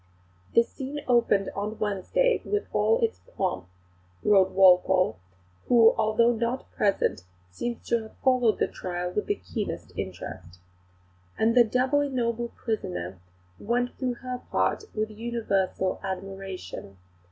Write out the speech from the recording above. "The scene opened on Wednesday with all its pomp," wrote Walpole, who although not present seems to have followed the trial with the keenest interest, "and the doubly noble prisoner went through her part with universal admiration.